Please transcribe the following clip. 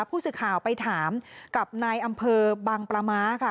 ผู้สื่อข่าวไปถามกับนายอำเภอบางปลาม้าค่ะ